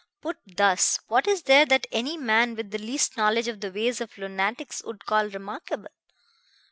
Put thus, what is there that any man with the least knowledge of the ways of lunatics would call remarkable?